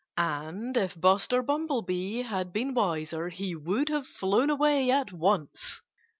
And if Buster Bumblebee had been wiser he would have flown away at once.